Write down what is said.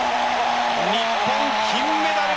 日本金メダル！